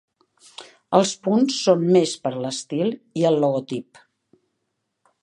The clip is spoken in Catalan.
Els punts són més per a l'estil i el logotip.